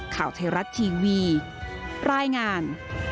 ข่าวไทยรัฐทีวีรายงาน